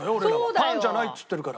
パンじゃないって言ってるから。